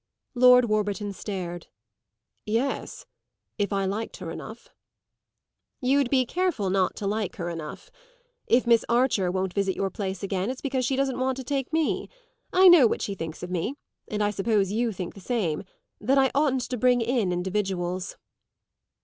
Lord Warburton stared. "Yes, if I liked her enough." "You'd be careful not to like her enough. If Miss Archer won't visit your place again it's because she doesn't want to take me. I know what she thinks of me, and I suppose you think the same that I oughtn't to bring in individuals."